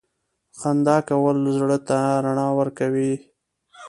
• خندا کول زړه ته رڼا ورکوي.